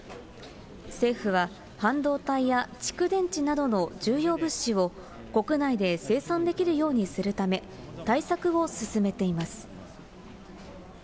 政府は半導体や蓄電池などの重要物資を国内で生産できるようにするため、対策を進めています。